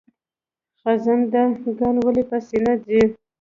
خزنده ګان ولې په سینه ځي؟